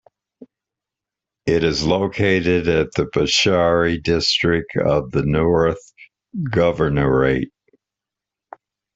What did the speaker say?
It is located in the Bsharri District of the North Governorate.